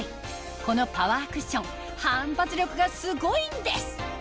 このパワークッション反発力がすごいんです